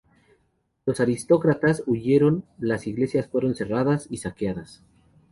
Los aristócratas huyeron, las iglesias fueron cerradas y saqueadas.